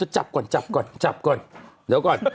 จับก่อนเดี๋ยวก่อน